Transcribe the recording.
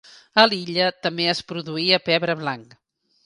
A l'illa també es produïa pebre blanc.